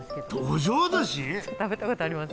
食べたことあります？